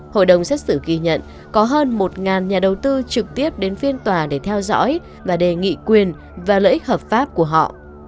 hội đồng xét xử ghi nhận có hơn một nhà đầu tư trực tiếp đến phiên tòa để theo dõi và đề nghị quyền và lợi ích hợp pháp của họ